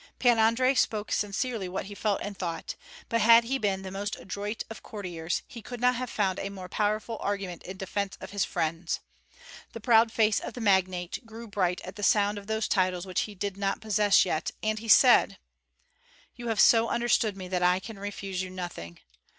Pan Andrei spoke sincerely what he felt and thought; but had he been the most adroit of courtiers he could not have found a more powerful argument in defence of his friends. The proud face of the magnate grew bright at the sound of those titles which he did not possess yet, and he said, "You have so understood me that I can refuse you nothing.